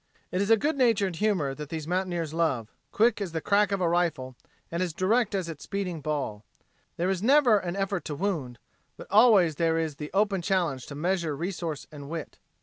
It is a good natured humor that these mountaineers love, quick as the crack of a rifle and as direct as its speeding ball. There is never an effort to wound. But always there is the open challenge to measure resource and wit.